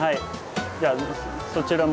じゃあそちらも。